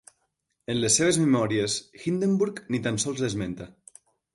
En les seves memòries, Hindenburg ni tan sols l'esmenta.